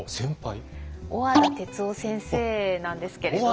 小和田哲男先生なんですけれど。